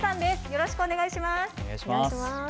よろしくお願いします。